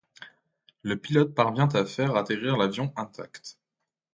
Le pilote parvient à faire atterrir l'avion intact.